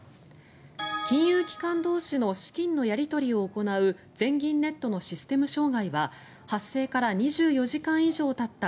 金融機関同士の資金のやり取りを行う全銀ネットのシステム障害は発生から２４時間以上たった